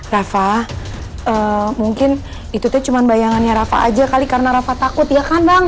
rafa mungkin itu cuma bayangannya rafa aja kali karena rafa takut ya kandang